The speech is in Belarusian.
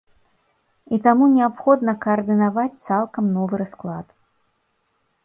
І таму неабходна каардынаваць цалкам новы расклад.